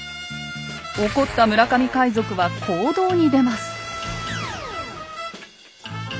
怒った村上海賊は行動に出ます。